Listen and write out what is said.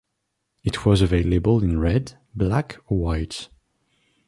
It was available in red, black, or white.